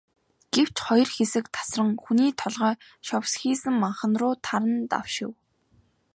Гэвч хоёр хэсэг тасран, хүний толгой шовсхийсэн манхан руу таран давшив.